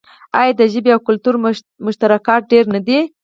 آیا د ژبې او کلتور مشترکات ډیر نه دي؟